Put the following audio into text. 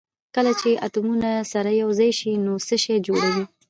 کله چې اتومونه سره یو ځای شي نو څه شی جوړوي